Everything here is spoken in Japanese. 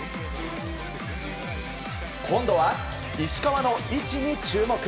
今度は、石川の位置に注目。